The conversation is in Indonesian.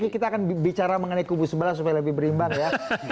ini kita akan bicara mengenai kubu sebelah supaya lebih berimbang ya